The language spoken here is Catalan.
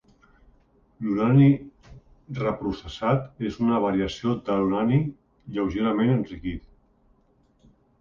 L'urani reprocessat és una variació de l'urani lleugerament enriquit.